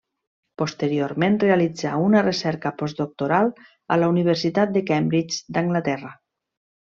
Posteriorment realitzà una recerca postdoctoral a la Universitat de Cambridge d'Anglaterra.